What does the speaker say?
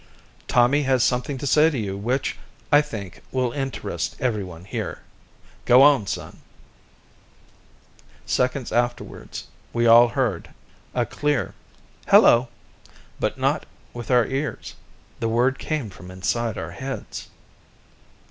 "Tommy has something to say to you which, I think, will interest everyone here. Go on, son." Seconds afterwards, we all heard, a clear "Hello," but not with our ears; the word came from inside our heads.